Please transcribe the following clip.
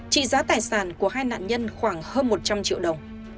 trị giá tài sản của hai nạn nhân khoảng hơn một trăm linh triệu đồng